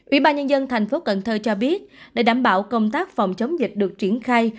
ủy ban nhân dân tp hcm cho biết để đảm bảo công tác phòng chống dịch được triển khai